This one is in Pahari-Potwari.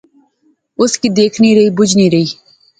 اس کی دیکھنی رہی، بجنی رہی